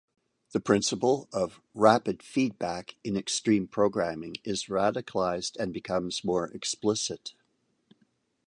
The principle of "rapid feedback" in Extreme Programming is radicalized and becomes more explicit.